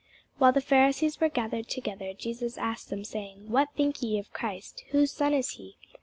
While the Pharisees were gathered together, Jesus asked them, saying, What think ye of Christ? whose son is he?